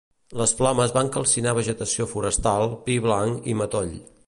Les flames van calcinar vegetació forestal, pi blanc i matoll.